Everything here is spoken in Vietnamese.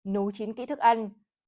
nấu chín kỹ thức ăn